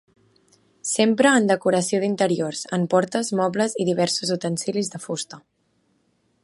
S'empra en decoració d'interiors, en portes, mobles i diversos utensilis de fusta.